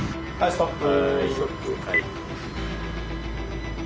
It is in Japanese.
ストップ。